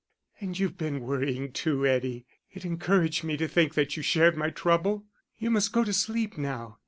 "And you've been worrying too, Eddie. It encouraged me to think that you shared my trouble. You must go to sleep now.